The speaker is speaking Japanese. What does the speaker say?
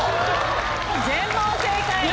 全問正解。